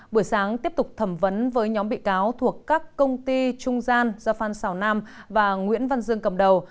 buổi sáng tiếp tục thẩm vấn với nhóm bị cáo thuộc các công ty trung gian do phan xào nam và nguyễn văn dương cầm đầu